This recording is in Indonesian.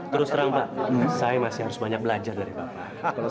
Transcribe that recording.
terus terang pak saya masih harus banyak belajar dari bapak